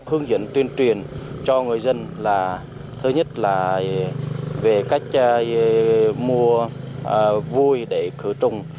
hướng dẫn tuyên truyền cho người dân là thứ nhất là về cách mua vui để khử trùng